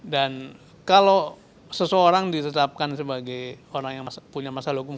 dan kalau seseorang ditetapkan sebagai orang yang punya masalah hukum